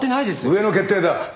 上の決定だ。